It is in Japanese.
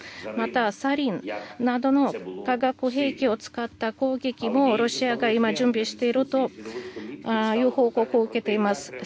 また、サリンなどの化学兵器を使った攻撃もロシアが今、準備しているという報告を受けています。